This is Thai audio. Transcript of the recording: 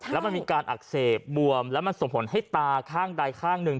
แล้วมันมีการอักเสบบวมแล้วมันส่งผลให้ตาข้างใดข้างหนึ่ง